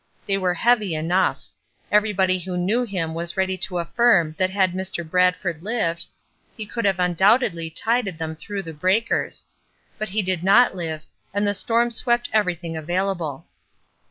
They were heavy enough; everybody who knew him was ready to affirm that had Mr. Bradford Uved he could have undoubtedly tided them through the breakers ; but he did not live, and the storm swept everything available.